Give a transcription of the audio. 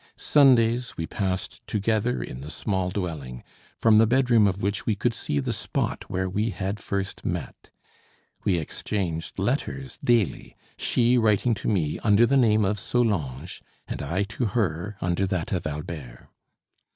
Sundays we passed together in the small dwelling, from the bedroom of which we could see the spot where we had first met. We exchanged letters daily, she writing to me under the name of Solange, and I to her under that of Albert.